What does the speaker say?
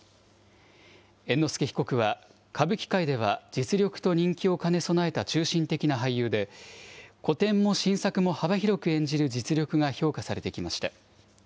猿之助被告は歌舞伎界では実力と人気を兼ね備えた中心的な俳優で、古典も新作も幅広く演じる実力が評価されてきました。